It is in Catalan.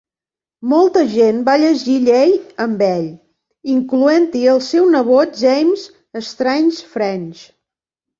Molta gent va llegir llei amb ell, incloent-hi el seu nebot James Strange French.